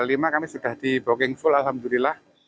lima kami sudah di booking full alhamdulillah